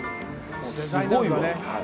すごいわ。